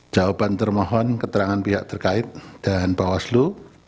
jawaban termohon keterangan pihak terkait dan bawaslu